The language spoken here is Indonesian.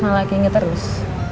malah inget terus